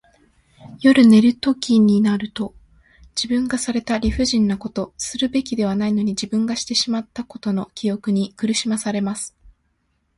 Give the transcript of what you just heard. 夜寝るときになると、自分がされた理不尽なこと、するべきではないのに自分がしてしまったことの記憶に苦しまされます。